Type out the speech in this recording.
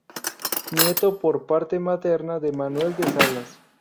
Nieto por parte materna de Manuel de Salas.